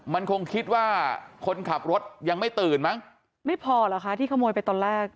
มันคงคิดว่าคนขับรถยังไม่ตื่นมั้งไม่พอเหรอคะที่ขโมยไปตอนแรก